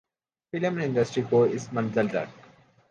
film industry کو اس منزل تک